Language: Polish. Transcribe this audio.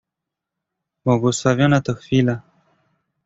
"Błogosławiona to chwila!"